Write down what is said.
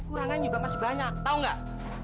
kurangannya juga masih banyak tau nggak